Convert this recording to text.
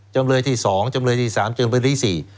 จำเลยที่๒จำเลยที่๓จำเลยที่๔